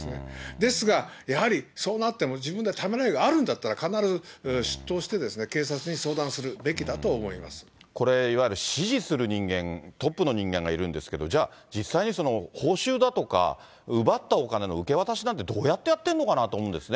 ですが、やはりそうなっても、自分はためらいがあるんだったら、必ず出頭して警察に相談するべきこれ、いわゆる指示する人間、トップの人間がいるんですけど、じゃあ、実際にその報酬だとか、奪ったお金の受け渡しなんて、どうやってやってるのかなと思うんですよね。